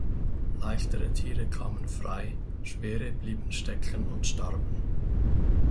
Leichtere Tiere kamen frei, schwere blieben stecken und starben.